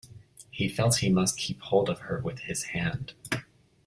He felt he must keep hold of her with his hand.